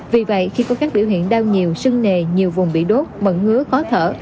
vì vậy khi có các biểu hiện đau nhiều sưng nề nhiều vùng bị đốt mận ngứa khó thở